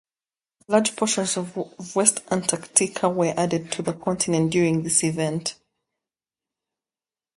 Large portions of West Antarctica were added to the continent during this event.